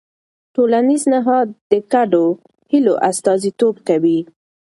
ټولنیز نهاد د ګډو هيلو استازیتوب کوي.